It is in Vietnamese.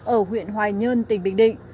ở huyện hoài nhơn tỉnh bình định